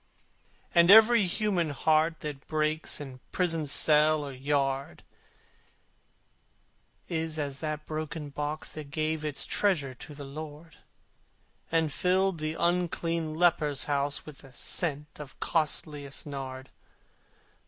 And every human heart that breaks, In prison cell or yard, Is as that broken box that gave Its treasure to the Lord, And filled the unclean leper's house With the scent of costliest nard.